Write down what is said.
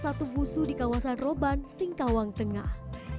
mendatangi salah satu wushu di kawasan roban singkawang tengah